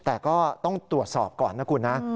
แต่ก็ต้องตรวจสอบก่อนนะคุณนะ